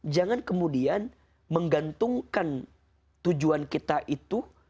jangan kemudian menggantungkan tujuan kita itu